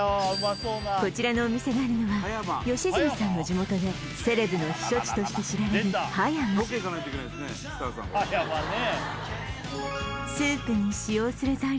こちらのお店があるのは良純さんの地元でセレブの避暑地として知られる葉山船乗って食べんの？